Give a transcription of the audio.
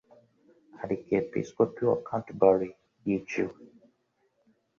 Arkiyepiskopi wa Canterbury yiciwe